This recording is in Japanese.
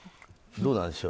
どうなんでしょう？